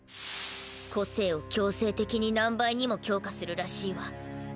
個性を強制的に何倍にも強化するらしいわ。